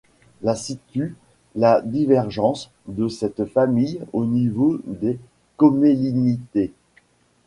La situe la divergence de cette famille au niveau des Commelinidées.